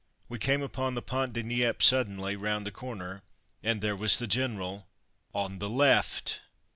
We came upon the Pont de Nieppe suddenly, round the corner, and there was the General on the left!